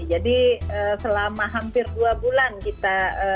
jadi selama hampir dua bulan kita